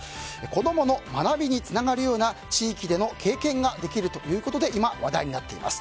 子供の学びにつながるような地域での経験ができるということで今、話題になっています。